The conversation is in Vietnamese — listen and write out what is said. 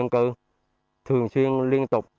đồng thời thường xuyên không cho là người ra vào khỏi phòng